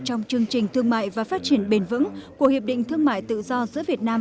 trong chương trình thương mại và phát triển bền vững của hiệp định thương mại tự do giữa việt nam